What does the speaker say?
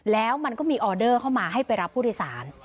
แล้วมันก็มีออเดอร์เข้ามาให้ไปรับผู้โดยสาร